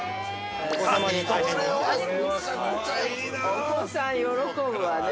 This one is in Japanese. ◆お子さん喜ぶわね。